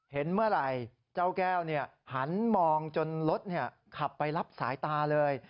เห็นเมื่อไหร่เจ้าแก้วหันมองจนรถขับไปรับสายตาเลย